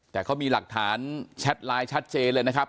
แต่เขามีหลักฐานแชทไลน์ชัดเจนเลยนะครับ